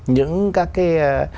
những các cái